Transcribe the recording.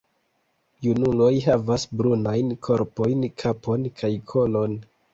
Junuloj havas brunajn korpon, kapon kaj kolon.